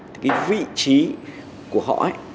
thì cái vị trí của họ ấy